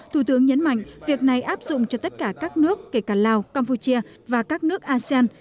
thủ tướng nhấn mạnh việc này áp dụng cho tất cả các nước kể cả lào campuchia và các nước asean